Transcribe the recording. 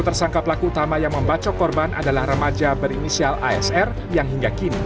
tersangka pelaku utama yang membacok korban adalah remaja berinisial asr yang hingga kini